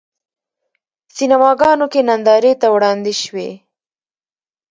سینماګانو کې نندارې ته وړاندې شوی.